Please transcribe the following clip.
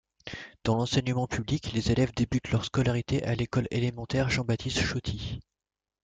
Dans l'enseignement public, les élèves débutent leur scolarité à l'école élémentaire Jean-Baptiste-Chauty.